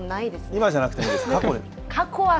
今じゃなくてもいいです、過去は。